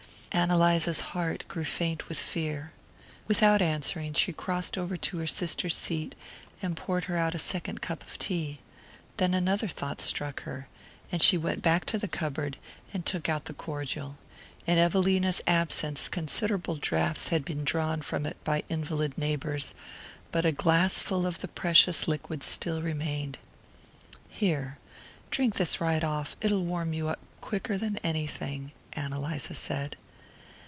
Ann Eliza's heart grew faint with fear. Without answering, she crossed over to her sister's seat and poured her out a second cup of tea. Then another thought struck her, and she went back to the cupboard and took out the cordial. In Evelina's absence considerable draughts had been drawn from it by invalid neighbours; but a glassful of the precious liquid still remained. "Here, drink this right off it'll warm you up quicker than anything," Ann Eliza said.